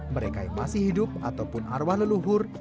mereka yang masih hidup ataupun arwah leluhur